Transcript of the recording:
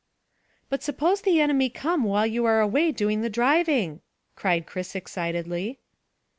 "But suppose the enemy come while you are away doing the driving?" cried Chris excitedly.